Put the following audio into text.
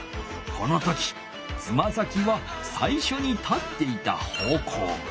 この時つま先はさいしょに立っていた方向。